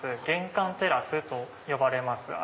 玄関テラスと呼ばれます